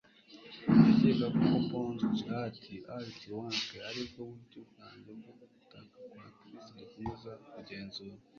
Ndakeka ko poncy art art wank aribwo buryo bwanjye bwo gutaka kwa Chris '- dukomeza kugenzura.